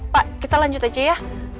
pak kita lanjut aja ya